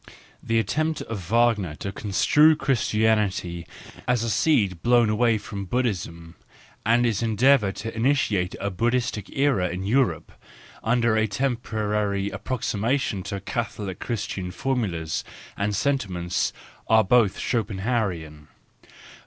The attempt of Wagner to construe Christianity as a seed blown away from Buddhism, and his endeavour to initiate a Buddhistic era in Europe, under a temporary approximation to Catholic Christian formulas and sentiments, are both Schopenhauerian.